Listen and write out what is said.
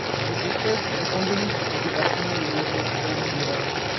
Cette espèce est endémique du département de Yoro au Honduras.